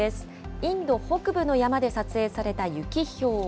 インド北部の山で撮影されたユキヒョウ。